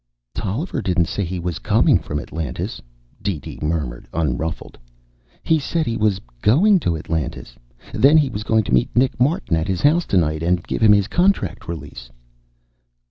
"Tolliver didn't say he was coming from Atlantis," DeeDee murmured, unruffled. "He said he was going to Atlantis. Then he was going to meet Nick Martin at his house tonight and give him his contract release."